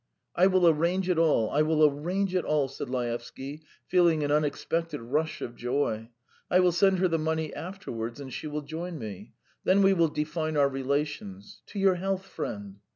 "I will arrange it all, I will arrange it all," said Laevsky, feeling an unexpected rush of joy. "I will send her the money afterwards and she will join me. ... Then we will define our relations. To your health, friend."